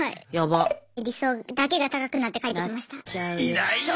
いないよ。